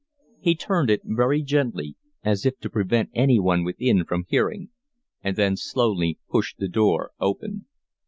He turned it very gently, as if to prevent anyone within from hearing, and then slowly pushed the door open.